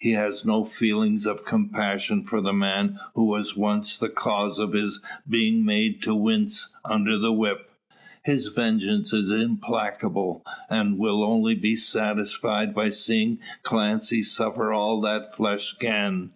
He has no feelings of compassion for the man who was once the cause of his being made to wince under the whip. His vengeance is implacable; and will only be satisfied by seeing Clancy suffer all that flesh can.